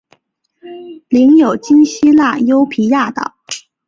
领有今希腊优卑亚岛。